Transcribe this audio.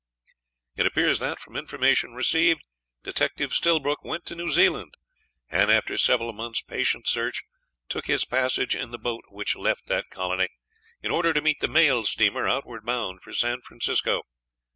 It appears that, from information received, Detective Stillbrook went to New Zealand, and, after several months' patient search, took his passage in the boat which left that colony, in order to meet the mail steamer, outward bound, for San Francisco.